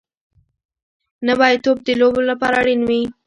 نوی توپ د لوبو لپاره اړین وي